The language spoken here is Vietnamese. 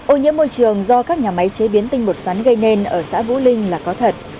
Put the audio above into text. ô nhiễm môi trường do các nhà máy chế biến tinh bột sắn gây nên ở xã vũ linh là có thật